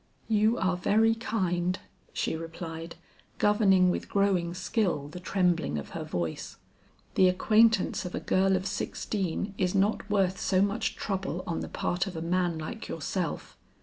"You are very kind," she replied governing with growing skill the trembling of her voice. "The acquaintance of a girl of sixteen is not worth so much trouble on the part of a man like yourself."